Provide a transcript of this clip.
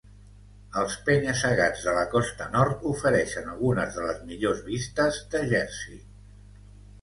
Els penya-segats de la costa nord ofereixen algunes de les millors vistes de Jersey.